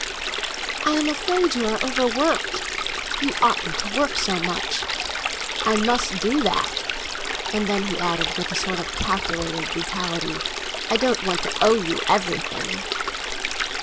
"I am afraid you are overworked; you oughtn't to work so much." "I must do that." And then he added, with a sort of calculated brutality, "I don't want to owe you everything!"